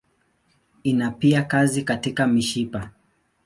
Ina pia kazi katika mishipa.